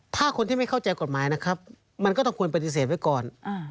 ถ้าคนที่ไม่เข้าใจกฎหมายนะครับมันก็ต้องควรปฏิเสธไว้ก่อน